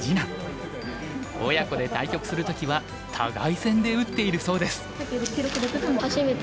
親子で対局する時は互先で打っているそうです。